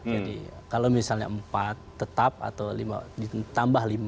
jadi kalau misalnya empat tetap atau tambah lima